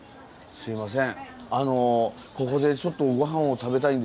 すいません。